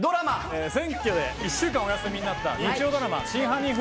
選挙で１週間お休みになった日曜ドラマ『真犯人フラグ』。